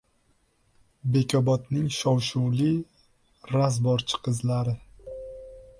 Bekobodning shov-shuvli «razborchi» qizlari